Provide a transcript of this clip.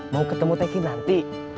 mau ketemu teki nanti